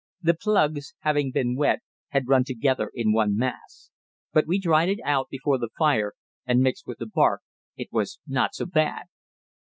The plugs, having been wet, had run together in one mass; but we dried it out before the fire, and, mixed with the bark, it was not so bad.